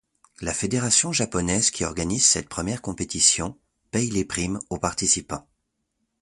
Le fédération japonaise qui organise cette première compétition, paye les primes aux participants.